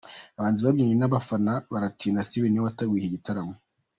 Aba bahanzi babyinanye n'abafana biratindaSteven niwe wateguye iki gitaramo.